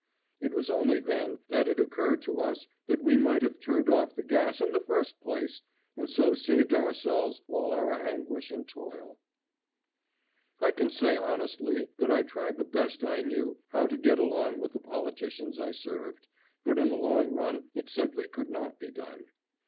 It was only then that it occurred to us that we might have turned off the gas in the first place, and so saved ourselves all our anguish and toil. I can say honestly that I tried the best I knew how to get along with the politicians I served, but in the long run it simply could not be done.